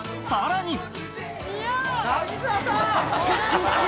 ［さらに！］